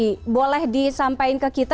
jadi boleh disampaikan ke kisah